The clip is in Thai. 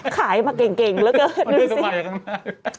ขายมาเก่งแล้วก็ดูสิ